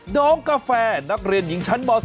น้องกาแฟนักเรียนหญิงชั้นบ๒